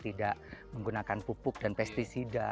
tidak menggunakan pupuk dan pesticida